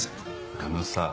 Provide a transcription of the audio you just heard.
あのさ。